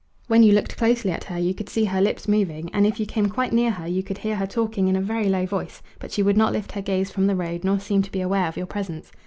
When you looked closely at her you could see her lips moving, and if you came quite near her you could hear her talking in a very low voice, but she would not lift her gaze from the road nor seem to be aware of your presence.